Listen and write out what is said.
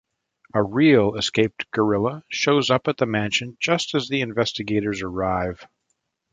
A real escaped gorilla shows up at the mansion just as the investigators arrive.